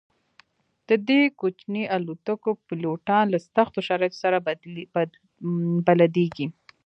د دې کوچنیو الوتکو پیلوټان له سختو شرایطو سره بلدیږي